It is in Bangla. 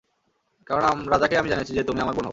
কারণ রাজাকে আমি জানিয়েছি যে, তুমি আমার বোন হও।